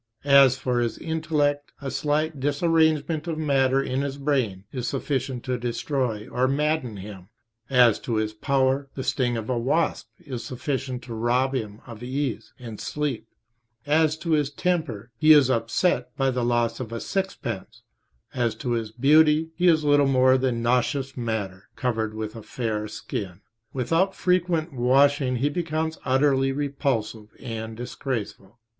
As to his intellect, a slight disarrangement of matter in his brain is sufficient to destroy or madden him; as to his power, the sting of a wasp is sufficient to rob him of ease and sleep; as to his temper, he is upset by the loss of a sixpence; as to his beauty, he is little more than nauseous matter covered with a fair skin. Without frequent washing he becomes utterly repulsive and disgraceful.